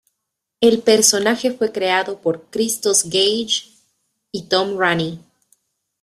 El personaje fue creado por Christos Gage y Tom Raney.